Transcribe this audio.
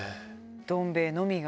どん兵衛のみが。